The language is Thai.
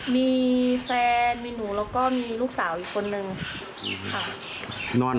มีแฟนมีหนูแล้วก็มีลูกสาวอีกคนนึงค่ะ